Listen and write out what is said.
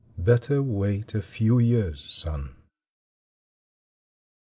Better wait a few years, son.